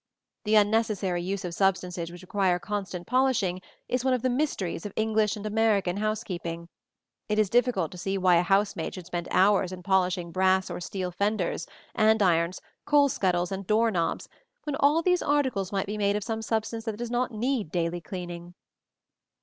The unnecessary use of substances which require constant polishing is one of the mysteries of English and American housekeeping: it is difficult to see why a housemaid should spend hours in polishing brass or steel fenders, andirons, coal scuttles and door knobs, when all these articles might be made of some substance that does not need daily cleaning.